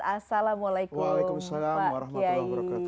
assalamualaikum pak kiai